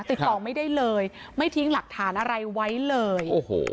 ติดต่อไม่ได้เลยไม่ทิ้งหลักฐานอะไรไว้เลย